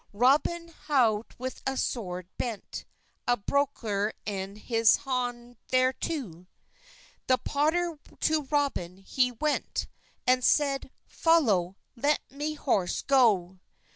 Roben howt with a swerd bent, A bokeler en hes honde [therto]; The potter to Roben he went, And seyde, "Felow, let mey horse go."